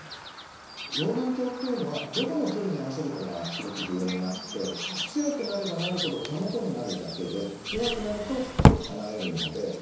老眼鏡というのはどこの距離に合わせるかがすごく重要になって強くなればなるほど手元になるだけで弱くなるとちょっと離れるので。